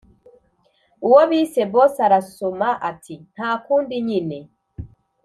uwo bise boss arasoma ati ntakundi nyine